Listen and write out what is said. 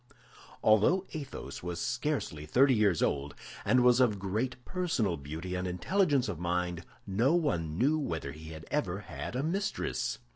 Although Athos was scarcely thirty years old, and was of great personal beauty and intelligence of mind, no one knew whether he had ever had a mistress.